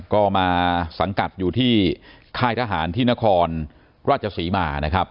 ก็มาสังกัดอยู่ที่ค่ายทหารที่นครราชศรีมานะครับ